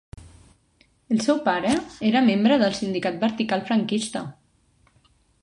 El seu pare era membre del Sindicat Vertical franquista.